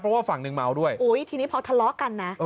เพราะว่าฝั่งหนึ่งเมาด้วยอุ้ยทีนี้พอทะเลาะกันนะ